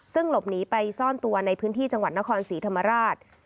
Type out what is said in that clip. ซึ่งหลบหนีไปซ่อนตัวในพื้นที่จังหวัดนครศรีธรรมราช